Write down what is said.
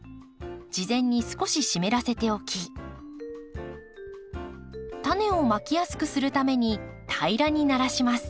事前に少し湿らせておきタネをまきやすくするために平らにならします。